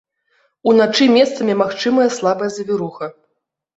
Уначы месцамі магчымая слабая завіруха.